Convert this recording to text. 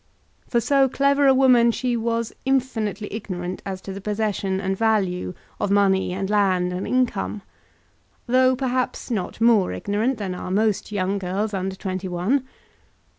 For so clever a woman she was infinitely ignorant as to the possession and value of money and land and income, though, perhaps, not more ignorant than are most young girls under twenty one.